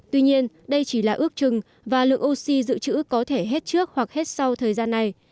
tuy nhiên đây chỉ là ước chừng và lượng oxy dự trữ có thể hết trước hoặc hết sau thời gian này